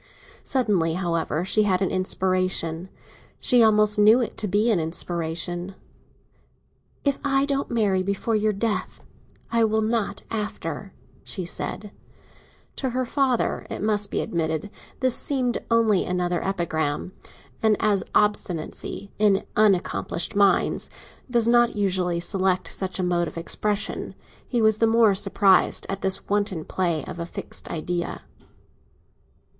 Suddenly, however, she had an inspiration—she almost knew it to be an inspiration. "If I don't marry before your death, I will not after," she said. To her father, it must be admitted, this seemed only another epigram; and as obstinacy, in unaccomplished minds, does not usually select such a mode of expression, he was the more surprised at this wanton play of a fixed idea.